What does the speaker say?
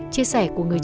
chia sẻ của người trẻ